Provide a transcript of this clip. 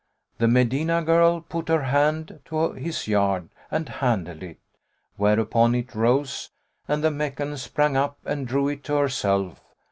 The Medinah girl put her hand to his yard and handled it, whereupon it rose and the Meccan sprang up and drew it to herself.